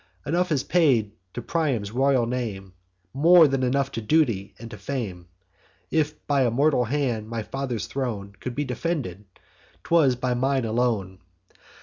Enough is paid to Priam's royal name, More than enough to duty and to fame. If by a mortal hand my father's throne Could be defended, 'twas by mine alone.